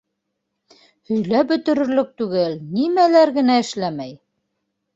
Һөйләп бөтөрөрлөк түгел —нимәләр генә эшләмәй!